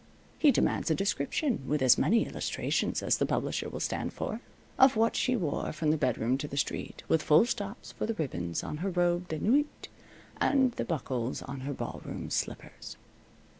He demands a description, with as many illustrations as the publisher will stand for, of what she wore from the bedroom to the street, with full stops for the ribbons on her robe de nuit, and the buckles on her ballroom slippers.